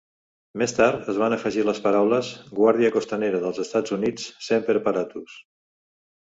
Més tard, es van afegir les paraules, "Guàrdia Costanera dels Estats Units-- Semper Paratus".